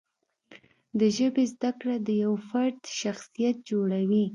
د ژبې زده کړه د یوه فرد شخصیت جوړوي.